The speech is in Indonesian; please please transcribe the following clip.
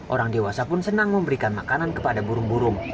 orang dewasa pun senang memberikan makanan kepada burung burung